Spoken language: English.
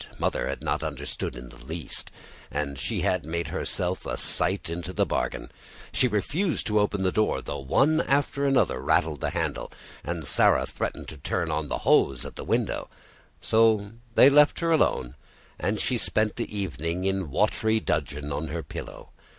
Mother had not understood in the least; and she had made herself a sight into the bargain. She refused to open the door, though one after another rattled the handle, and Sarah threatened to turn the hose in at the window. So they left her alone, and she spent the evening in watery dudgeon on her pillow.